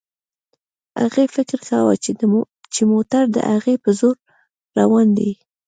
هغې فکر کاوه چې موټر د هغې په زور روان دی.